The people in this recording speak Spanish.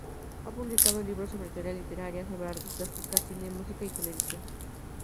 Ha publicado libros sobre teoría literaria, sobre artes plásticas, cine, música y televisión.